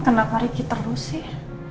kenapa riki terus sih